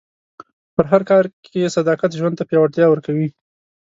په هر کار کې صداقت ژوند ته پیاوړتیا ورکوي.